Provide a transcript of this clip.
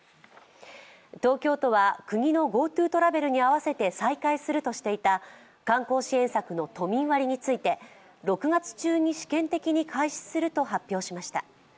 東京都は、国のＧｏＴｏトラベルに合わせて再開するとしていた観光支援策の都民割について、６月中に試験的に開始すると発表しました。